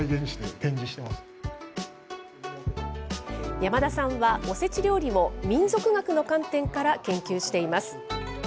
山田さんは、おせち料理を民俗学の観点から研究しています。